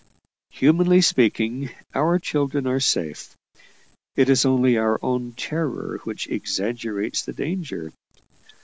Humanly speaking, our children are safe; it is only our own terror which exaggerates the danger.